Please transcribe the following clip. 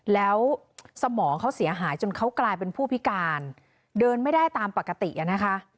แล้วสมองเขาเสียหายจนเขากลายเป็นผู้พิการเดินไม่ได้ตามปกติอ่ะนะคะ